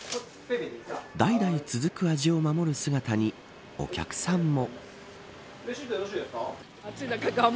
代々続く味を守る姿にお客さんも。